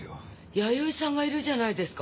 弥生さんがいるじゃないですか。